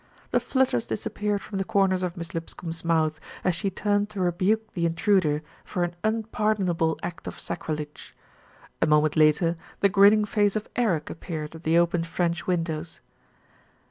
The flutters disappeared from the corners of Miss Lip scombe's mouth, as she turned to rebuke the intruder for an unpardonable act of sacrilege. A moment later the grinning face of Eric appeared at the open French windows.